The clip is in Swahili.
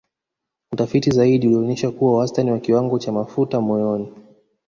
Utafiti zaidi ulionyesha kuwa wastani wa kiwango cha mafuta moyoni